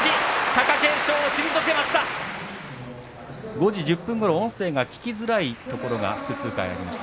５時１０分ごろ音声が聞きづらいところが複数回ありました。